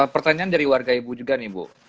pertanyaan dari warga ibu juga nih bu